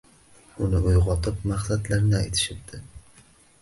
Uni uyg‘otib, maqsadlarini aytishibdi